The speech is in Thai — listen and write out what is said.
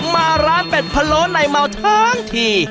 มาร้านเป็ดพะโล้ในเมาทั้งที